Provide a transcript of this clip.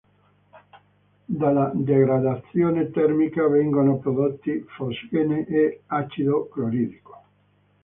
Dalla degradazione termica vengono prodotti fosgene e acido cloridrico.